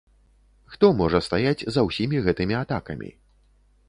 Хто можа стаяць за ўсімі гэтымі атакамі?